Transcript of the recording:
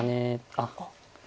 あっ。